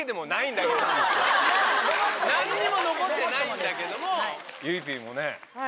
何にも残ってないんだけどもゆいＰもね。